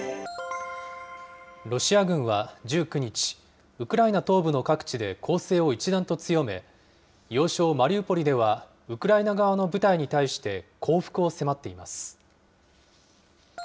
ロシア軍は１９日、ウクライナ東部の各地で攻勢を一段と強め、要衝マリウポリでは、ウクライナ側の部隊に対して降伏を迫っています。